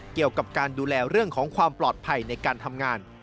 เกี่ยวกับการดูแลเรื่องของความปลอดภัยในการทำงาน